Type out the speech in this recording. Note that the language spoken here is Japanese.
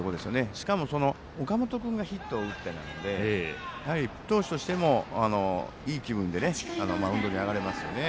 しかも、岡本君がヒットを打っていたのでやはり投手としてもいい気分でマウンドに上がれますよね。